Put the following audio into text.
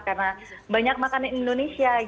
karena banyak makan indonesia